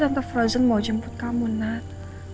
tadi tante frozen mau jemput kamu nat